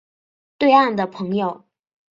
对岸的朋友